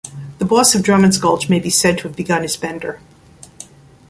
The boss of Drummond's Gulch may be said to have begun his bender.